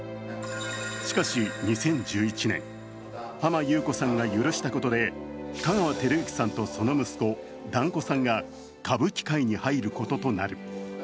しかし２０１１年、浜木綿子さんが許したことで香川照之さんとその息子、團子さんが歌舞伎界に入ることとなる。